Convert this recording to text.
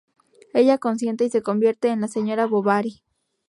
Ella consiente y se convierte en la señora Bovary.